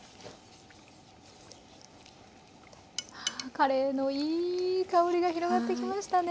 カレーのいい香りが広がってきましたね。